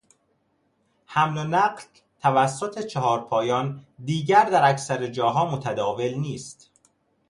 حمل و نقل توسط چهار پایان دیگر در اکثر جاها متداول نیست.